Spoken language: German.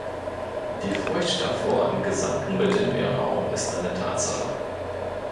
Die Furcht davor im gesamten Mittelmeerraum ist eine Tatsache.